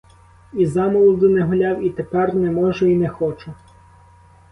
І замолоду не гуляв і тепер не можу і не хочу.